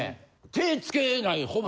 手つけないほぼ。